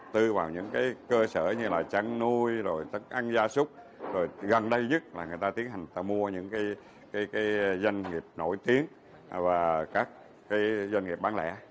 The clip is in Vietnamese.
từ những cơ sở như trắng nuôi ăn gia súc gần đây nhất là người ta tiến hành mua những doanh nghiệp nổi tiếng và các doanh nghiệp bán lẻ